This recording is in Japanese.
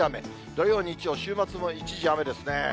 土曜、日曜、週末も一時雨ですね。